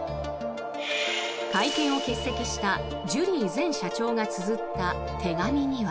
会見を欠席したジュリー前社長がつづった手紙には。